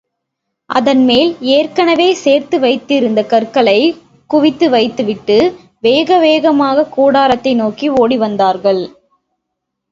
அதன் மேல் ஏற்கெனவே சேர்த்து வைத்திருந்த கற்களைக் குவித்து வைத்து விட்டு வேகவேகமாகக் கூடாரத்தை நோக்கி ஓடிவந்தார்கள்.